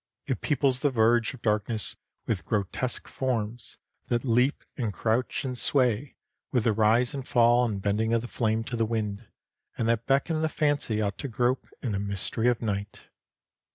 It peoples the verge of darkness with grotesque forms, that leap and crouch and sway with the rise and fall and bending of the flame to the wind, and that beckon the fancy out to grope in the mystery of night.